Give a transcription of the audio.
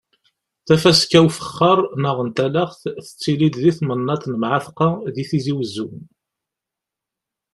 Tafaska n ufexxaṛ neɣ n talaxt tettili-d di temnaḍt n Mɛatqa di Tizi Wezzu.